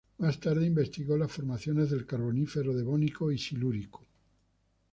Más tarde investigó las formaciones del Carbonífero, Devónico y Silúrico.